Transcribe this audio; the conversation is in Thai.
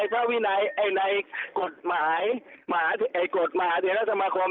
เพราะในกฎหมายในกฎมหาเทียนรัฐสมคม